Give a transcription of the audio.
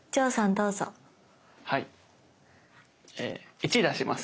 １出します。